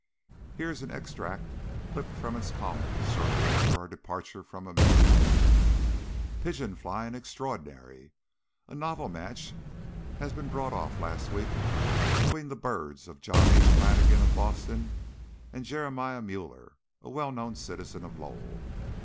Here is an extract clipped from its columns shortly after our departure from America: "Pigeon flying Extraordinary. A novel match has been brought off last week between the birds of John H. Flannigan, of Boston, and Jeremiah Müller, a well known citizen of Lowell.